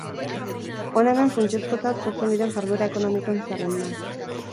Hona hemen funtsezkotzat jotzen diren jarduera ekonomikoen zerrenda.